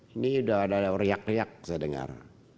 ini sudah ada riak riak saya dengar